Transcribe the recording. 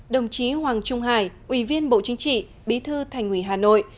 đồng chí hoàng trung hải ủy viên bộ chính trị bí thư thành ủy hà nội